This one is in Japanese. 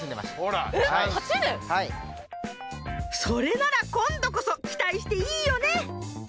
それなら今度こそ期待していいよね？